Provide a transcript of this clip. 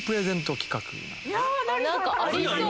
何かありそう。